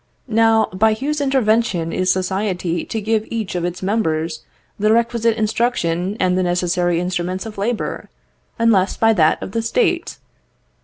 Now, by whose intervention is society to give to each of its members the requisite instruction and the necessary instruments of labour, unless by that of the State?"